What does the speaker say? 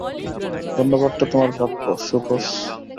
ধন্যবাদটা তোমার প্রাপ্য, সোকস।